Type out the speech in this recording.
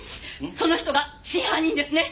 その人が真犯人ですね。